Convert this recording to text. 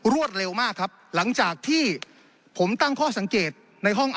รวดเร็วมากครับหลังจากที่ผมตั้งข้อสังเกตในห้อง